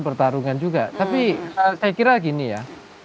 pertarungan juga tapi saya kira gini ya